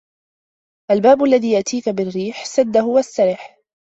الباب الذي يأتيك بالريح سده واسترح